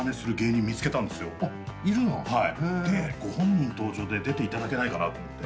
でご本人登場で出ていただけないかなと思って。